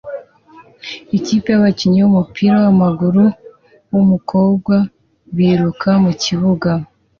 Ikipe yabakinnyi bumupira wamaguru wumukobwa biruka mukibuga